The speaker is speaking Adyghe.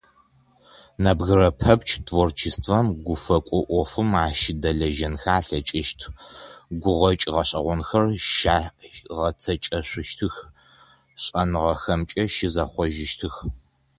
Нэбгырэ пэпчъ творчествэм, гуфэкӏо ӏофым ащыдэлэжьэнхэ алъэкӏыщт, гукъэкӏ гъэшӏэгъонхэр щагъэцэкӏэшъущтых, шӏэныгъэхэмкӏэ щызэхъожьыщтых.